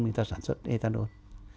người ta sản xuất ethanol